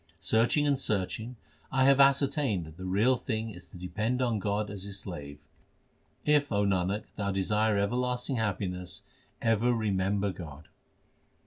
Searching and searching I have ascertained that the real thing is to depend on God as His slave. If, O Nanak, thou desire everlasting happiness, ever remember God.